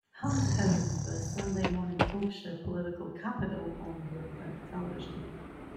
Hunt hosts the Sunday morning talk show "Political Capital" on Bloomberg Television.